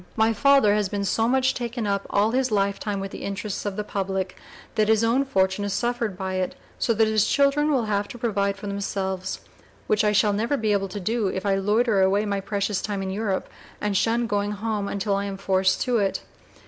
My father has been so much taken up all his lifetime with the interests of the public, that his own fortune has suffered by it: so that his children will have to provide for themselves, which I shall never be able to do if I loiter away my precious time in Europe and shun going home until I am forced to it.